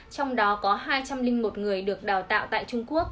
trong đó có hai trăm linh một người